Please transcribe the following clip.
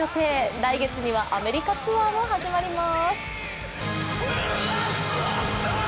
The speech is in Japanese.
来月にはアメリカツアーも始まります。